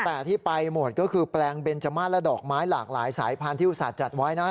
แต่ที่ไปหมดก็คือแปลงเบนจมาสและดอกไม้หลากหลายสายพันธุ์อุตส่าห์จัดไว้นะ